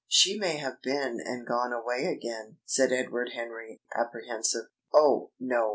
"She may have been and gone away again," said Edward Henry, apprehensive. "Oh, no!